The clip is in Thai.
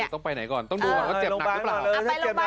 ต้องไปไหนก่อนต้องดูก่อนว่าเจ็บหนักหรือเปล่า